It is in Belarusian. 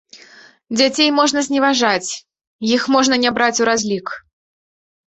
Дзяцей можна зневажаць, іх можна не браць у разлік.